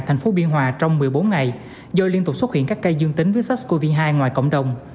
tp biên hòa trong một mươi bốn ngày do liên tục xuất hiện các cây dương tính với sars cov hai ngoài cộng đồng